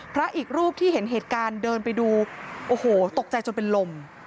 พระอีกรูปที่เห็นเหตุการณ์เดินไปดูโอ้โหตกใจจนเป็นลม